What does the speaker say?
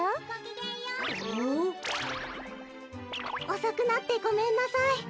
おそくなってごめんなさい。